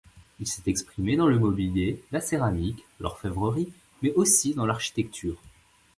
Il s'est exprimé dans le mobilier, la céramique, l'orfèvrerie, mais aussi dans l'architecture.